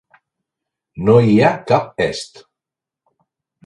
No hi ha cap est.